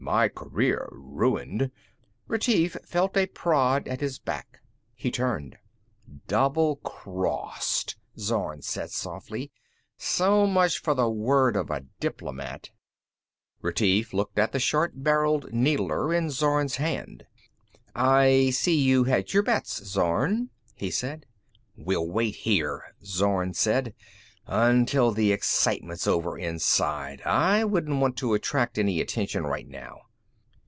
My career ruined...." Retief felt a prod at his back. He turned. "Doublecrossed," Zorn said softly. "So much for the word of a diplomat." Retief looked at the short barreled needler in Zorn's hand. "I see you hedge your bets, Zorn," he said. "We'll wait here," Zorn said, "until the excitement's over inside. I wouldn't want to attract any attention right now."